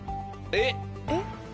えっ！